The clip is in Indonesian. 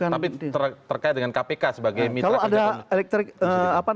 tapi terkait dengan kpk sebagai mitra kejahatan